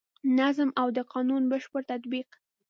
نظم او د قانون بشپړ تطبیق.